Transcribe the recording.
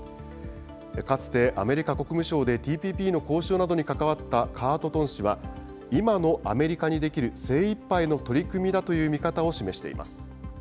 かつて、アメリカ国務省でＴＰＰの交渉などに関わったカート・トン氏は、今のアメリカにできる精いっぱいの取り組みだという見方を示しています。